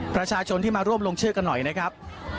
ประชาชนที่มาร่วมลงชื่อกันหน่อยนะครับ